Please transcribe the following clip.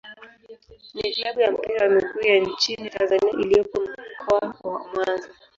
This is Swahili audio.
ni klabu ya mpira wa miguu ya nchini Tanzania iliyopo Mkoa wa Mwanza.